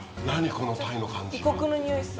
このタイの感じ」って。